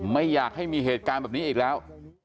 ไม่อยากให้มีเหตุการณ์แบบนี้อีกแล้ว